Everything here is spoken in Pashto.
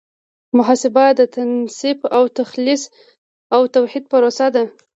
محاسبه د تنصیف او تخلیص او توحید پروسه ده.